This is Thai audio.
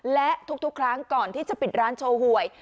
และทุกครั้งก่อนที่จะปิดร้านโชว์หวย